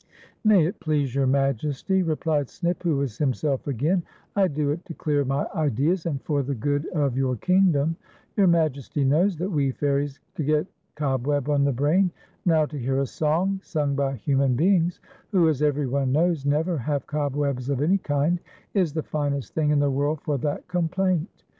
" May it please your Majest} ," replied Snip, who was himself again, " I do it to clear my ideas, and for the good of your kingdom. Your Majest}' knows that we fairies get cobweb on the brain. Now, to hear a song sung by human beings, who, as every one knows, never have cobwebs of an}' kind, is the finest thing in the world for that complaint.